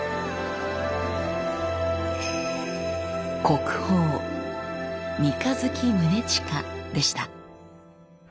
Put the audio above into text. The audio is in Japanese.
国宝「三日月宗近」でした。